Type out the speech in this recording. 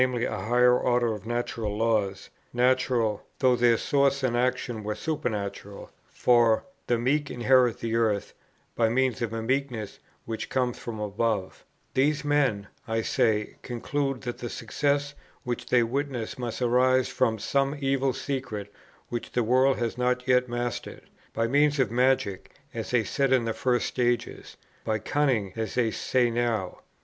a higher order of natural laws, natural, though their source and action were supernatural, (for "the meek inherit the earth," by means of a meekness which comes from above,) these men, I say, concluded, that the success which they witnessed must arise from some evil secret which the world had not mastered, by means of magic, as they said in the first ages, by cunning as they say now.